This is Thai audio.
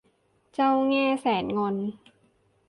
เจ้าแง่แสนงอน